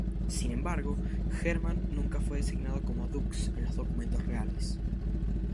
Sin embargo, Herman nunca fue designado como "dux" en los documentos reales.